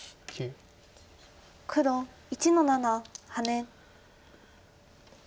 黒１の七ハネ。